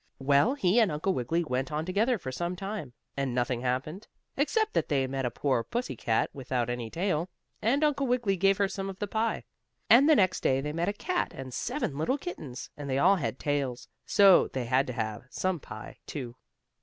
Well, he and Uncle Wiggily went on together for some time, and nothing happened, except that they met a poor pussy cat without any tail, and Uncle Wiggily gave her some of the pie. And the next day they met a cat and seven little kittens, and they all had tails, so they had to have some pie, too.